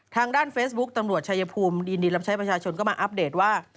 ทางด้านเฟซบุ๊คตำรวจชายภูมิยินดีรับใช้ประชาชนก็มาอัปเดตว่า